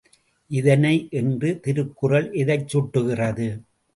இதனை என்று திருக்குறள் எதைச் சுட்டுகிறது?